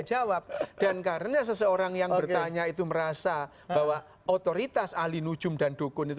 jawab dan karena seseorang yang bertanya itu merasa bahwa otoritas ahli nujum dan dukun itu